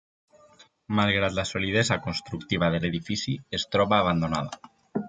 Malgrat la solidesa constructiva de l'edifici, es troba abandonada.